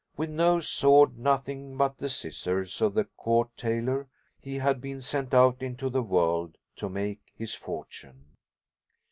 With no sword, nothing but the scissors of the Court Tailor, he had been sent out into the world to make his fortune.